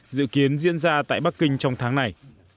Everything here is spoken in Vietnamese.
dự kiến diễn ra tại bắc kinh trong tháng này